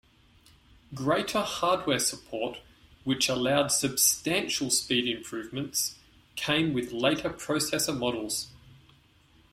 Greater hardware support, which allowed substantial speed improvements, came with later processor models.